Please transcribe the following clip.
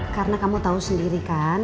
karena kamu tau sendiri kan